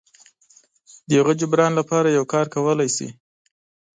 د هغه جبران لپاره یو کار کولی شي.